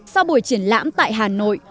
sau buổi triển lãm tại hà nội